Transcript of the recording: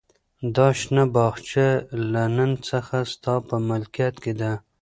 دا شنه باغچه له نن څخه ستا په ملکیت کې ده.